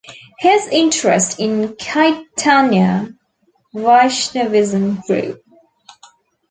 His interest in Caitanya Vaishnavism grew.